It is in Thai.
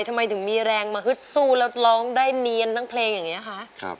ทำไมถึงมีแรงมาฮึดสู้แล้วร้องได้เนียนทั้งเพลงอย่างนี้คะ